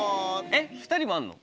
えっ２人もあんの？